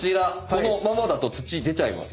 このままだと土出ちゃいますよね。